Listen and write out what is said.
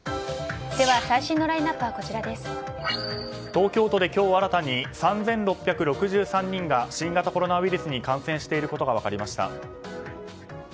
東京都で今日新たに３６６３人が新型コロナウイルスに感染していることが分かりました。